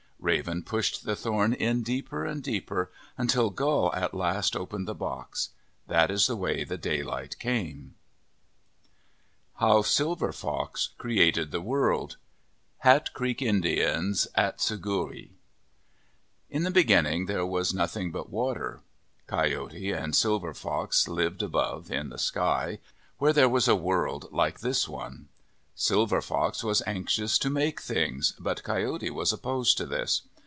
Raven pushed the thorn in deeper and deeper until Gull at last opened the box. That is the way the daylight came. 20 OF THE PACIFIC NORTHWEST HOW SILVER FOX CREATED THE WORLD Hat Creek Indians (Atsugewi] IN the beginning there was nothing but water. Coyote and Silver Fox lived above in the sky, where there was a world like this one. Silver Fox was anxious to make things, but Coyote was opposed to this.